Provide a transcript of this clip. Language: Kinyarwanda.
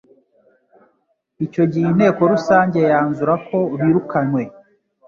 icyo gihe inteko rusange yanzurako birukanywe